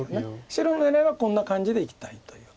白の狙いはこんな感じでいきたいという。